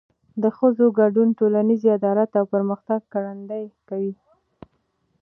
د ښځو ګډون ټولنیز عدالت او پرمختګ ګړندی کوي.